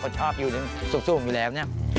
เขาชอบอยู่ที่สูงอยู่แล้ว